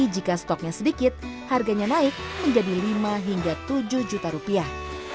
jika stoknya sedikit harganya naik menjadi lima hingga tujuh juta rupiah